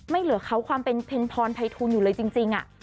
เหลือเขาความเป็นเพ็ญพรภัยทูลอยู่เลยจริง